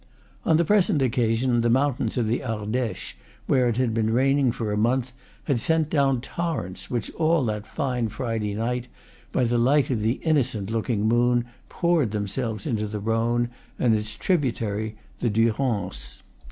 On the present occasion the mountains of the Ardeche, where it had been raining for a month, had sent down torrents which, all that fine Friday night, by the light of the innocent looking moon, poured themselves into the Rhone and its tributary, the Durance.